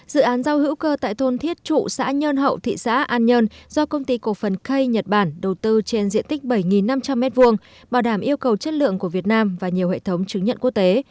dự án rau hữu cơ tại thôn thiết trụ xã nhơn hậu thị xã an nhơn do công ty cổ phần kay nhật bản đầu tư trên diện tích bảy năm trăm linh m hai bảo đảm yêu cầu chất lượng của việt nam và nhiều hệ thống chứng nhận quốc tế